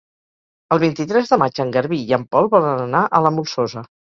El vint-i-tres de maig en Garbí i en Pol volen anar a la Molsosa.